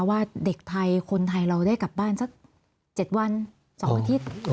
ว่าเด็กไทยคนไทยเราได้กลับบ้านสัก๗วัน๒อาทิตย์